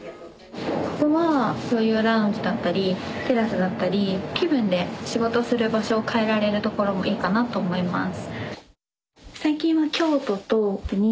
ここは共有ラウンジだったりテラスだったり気分で仕事する場所を変えられるところもいいかなと思います。